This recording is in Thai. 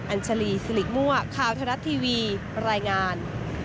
อัญชาลีสิริม่วะคาวทะลัดทีวีรายงาน